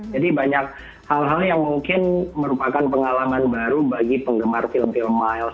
jadi banyak hal hal yang mungkin merupakan pengalaman baru bagi penggemar film film miles